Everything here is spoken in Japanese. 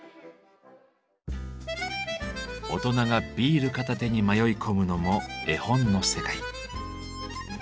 大人がビール片手に迷い込むのも絵本の世界。